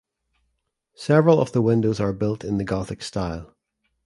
Several of the windows are built in the Gothic style.